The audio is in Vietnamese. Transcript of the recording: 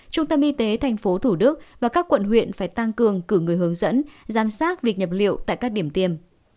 trung tâm y tế tp thủ đức và các quận huyện phải tăng cường cử người hướng dẫn giám sát việc nhập liệu tại các điểm tiêm